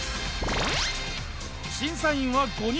審査員は５人。